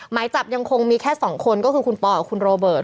หมายจับยังคงมีแค่๒คนก็คือคุณปอกับคุณโรเบิร์ต